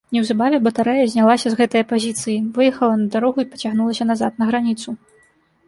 Неўзабаве батарэя знялася з гэтае пазіцыі, выехала на дарогу і пацягнулася назад, на граніцу.